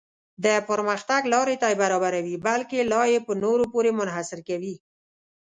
د پرمختګ لارې ته یې برابروي بلکې لا یې په نورو پورې منحصر کوي.